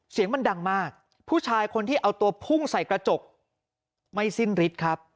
เสียงมันดังมากผู้ชายคนที่เอาตัวพุ่งใส่กระจกไม่สิ้นฤทธิ์ครับ